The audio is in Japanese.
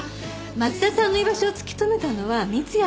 松田さんの居場所を突き止めたのは三ツ矢くん。